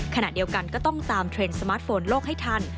ขณะเดียวกันก็ต้องตามเทรนด์สมาร์ทโฟนโลกให้ทัน